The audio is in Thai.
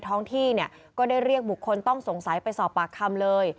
ท้องที่เนี่ยก็ได้เรียกบุคคลต้องสงสัยไปสอบปากคำเลย